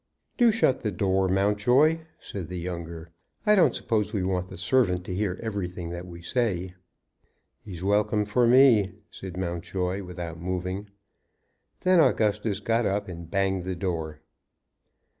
"Do shut the door, Mountjoy," said the younger. "I don't suppose we want the servant to hear everything that we say." "He's welcome for me," said Mountjoy, without moving. Then Augustus got up and banged the door.